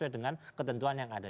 dengan ketentuan yang ada